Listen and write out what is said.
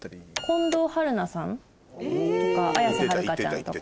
近藤春菜さんとか綾瀬はるかちゃんとか。